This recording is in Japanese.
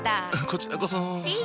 こちらこそ。